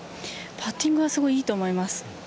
パッティングはすごいいいと思います。